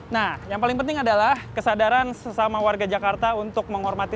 nah yang paling penting adalah kesadaran sesama warga jakarta untuk menghormati